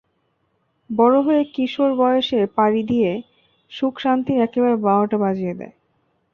বড়ো হয়ে কিশোর বয়সে পাড়ি দিয়ে, সুখ-শান্তির একেবারে বারোটা বাজিয়ে দেয়।